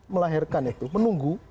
melahirkan itu menunggu